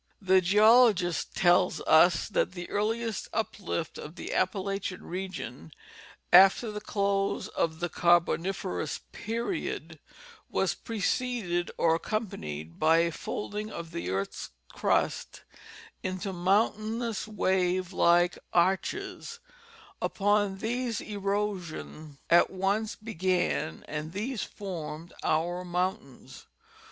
The geologist tells us that the earliest uplift of the Appalachian region after the close of the Carboniferous period was preceded or accompanied by a folding of the earth's crust into mountainous wave like arches ; upon these erosion at once began and these formed our first mountains.